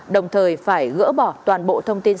đồng thời phải gỡ bỏ toàn bộ thông tin